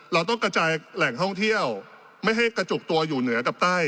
เราต้องกระจายแหล่งท่องเที่ยวไม่ให้กระจุกตัวอยู่เหนือกับใต้